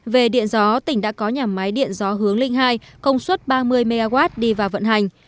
về điện gió tỉnh đã có nhà máy điện gió hướng linh hai công suất ba mươi mw đi vào vận hành